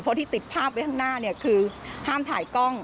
เพราะที่ติดภาพไว้ข้างหน้าเนี่ยคือห้ามถ่ายกล้อง